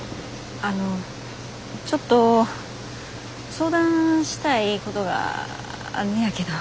あのちょっと相談したいことがあんねやけど。